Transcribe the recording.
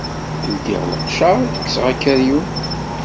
Ldiɣ leqjer ad d-kkseɣ akeryun.